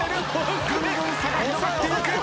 ぐんぐん差が広がっていく。